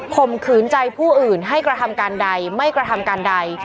มขืนใจผู้อื่นให้กระทำการใดไม่กระทำการใด